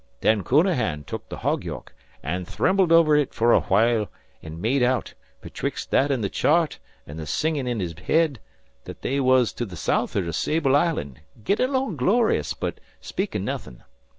Then Counahan tuk the hog yoke an' thrembled over it for a whoile, an' made out, betwix' that an' the chart an' the singin' in his head, that they was to the south'ard o' Sable Island, gettin' along glorious, but speakin' nothin'.